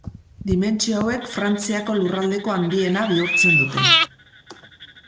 Dimentsio hauek Frantziako lurraldeko handiena bihurtzen dute.